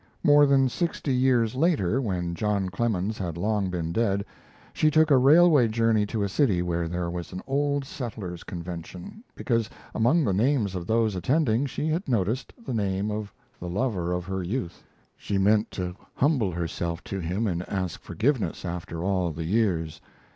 More than sixty years later, when John Clemens had long been dead, she took a railway journey to a city where there was an Old Settlers' Convention, because among the names of those attending she had noticed the name of the lover of her youth. She meant to humble herself to him and ask forgiveness after all the years.